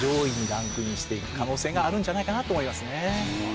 していく可能性があるんじゃないかなと思いますね。